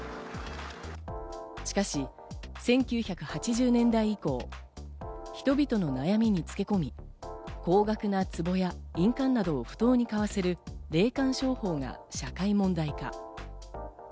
しかし１９８０年代以降、人々の悩みに漬け込み、高額な壺や印鑑などを不当に買わせる霊感商法が社会問題化。